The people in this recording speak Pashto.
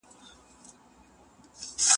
تر ټولو ښکلې جامې